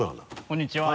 こんにちは。